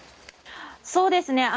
そうですね。